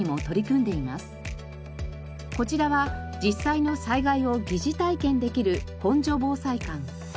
こちらは実際の災害を疑似体験できる本所防災館。